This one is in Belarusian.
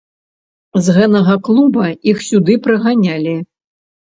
З гэнага клуба іх сюды прыганялі.